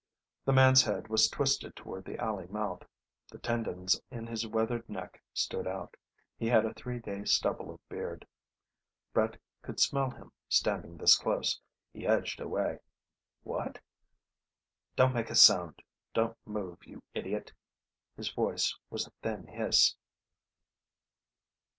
The man's head was twisted toward the alley mouth. The tendons in his weathered neck stood out. He had a three day stubble of beard. Brett could smell him, standing this close. He edged away. "What " "Don't make a sound! Don't move, you idiot!" His voice was a thin hiss.